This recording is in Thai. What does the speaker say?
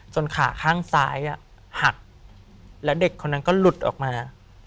ขาข้างซ้ายหักแล้วเด็กคนนั้นก็หลุดออกมา